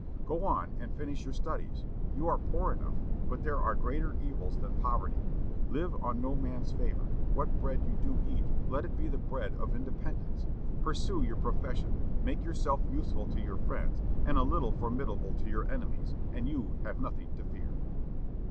Go on, and finish your studies; you are poor enough, but there are greater evils than poverty: live on no man's favor; what bread you do eat, let it be the bread of independence; pursue your profession, make yourself useful to your friends and a little formidable to your enemies, and you have nothing to fear.'"